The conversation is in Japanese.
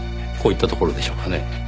こういったところでしょうかね。